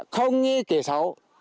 không như kẻ xấu